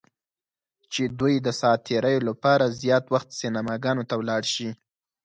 چې دوی د ساعت تیریو لپاره زیات وخت سینماګانو ته ولاړ شي.